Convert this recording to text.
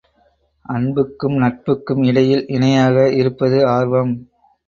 அன்புக்கும் நட்புக்கும் இடையில் இணையாக இருப்பது ஆர்வம்.